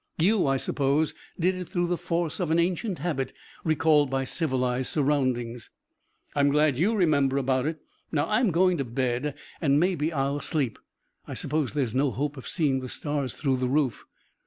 You, I suppose, did it through the force of an ancient habit, recalled by civilized surroundings." "I'm glad you remember about it. Now I'm going to bed, and maybe I'll sleep. I suppose there's no hope of seeing the stars through the roof."